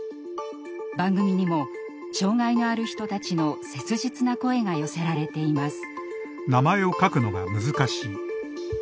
番組にも障害のある人たちの切実な声が寄せられています。